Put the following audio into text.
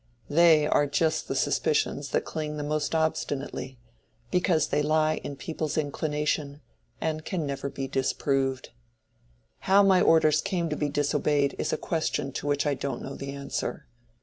They are just the suspicions that cling the most obstinately, because they lie in people's inclination and can never be disproved. How my orders came to be disobeyed is a question to which I don't know the answer.